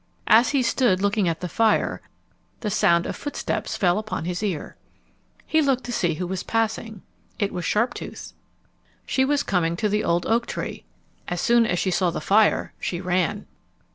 As he stood looking at the fire, the sound of footsteps fell upon his ear. He looked up to see who was passing. It was Sharptooth. She was coming to the old oak tree. As soon as she saw the fire, she ran.